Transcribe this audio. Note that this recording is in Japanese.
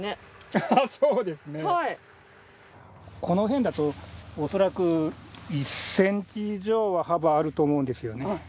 このへんだとおそらく１ｃｍ以上は幅あると思うんですよね。